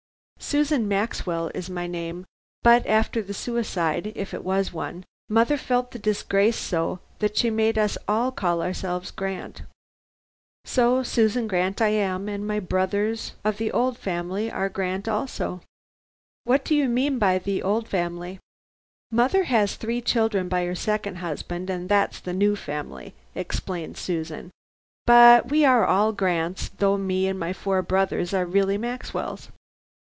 Susan Maxwell is my name, but after the suicide if it was one mother felt the disgrace so, that she made us all call ourselves Grant. So Susan Grant I am, and my brothers of the old family are Grant also." "What do you mean by the old family?" "Mother has three children by her second husband, and that's the new family," explained Susan, "but we are all Grants, though me and my four brothers are really Maxwells.